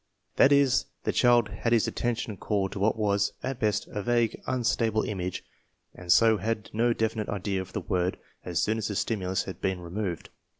That is, the child had his attention called to what was, at best, a vague, unstable image and so had no definite idea of the word as soon as the stimulus had been re moved.